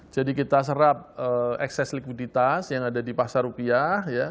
jadi kita serap ekses likuiditas yang ada di pasar rupiah